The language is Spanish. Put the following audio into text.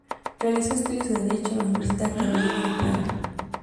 Realizó estudios de Derecho en la Universidad Carolina de Praga.